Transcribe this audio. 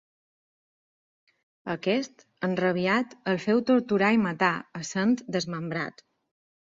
Aquest, enrabiat, el feu torturar i matar, essent desmembrat.